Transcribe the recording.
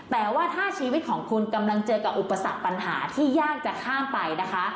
แต่ว่าถ้าชีวิตของคุณกำลังเจอกับอุปสรรคปัญหาที่ยากจะข้ามไปนะคะ